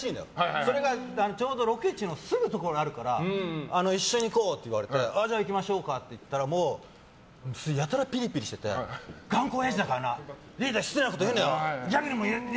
それがロケ地のすぐのところにあるから一緒に行こうって言われて行きましょうかと言ったらやたらピリピリしていて頑固おやじだからなリーダー失礼なこと言うなよって。